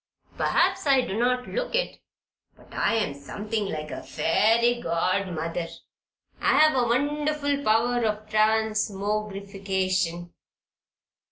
Perhaps I do not look it, but I am something like a fairy godmother I have a wonderful power of transmogrification.